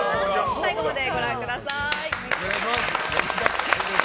最後までご覧ください。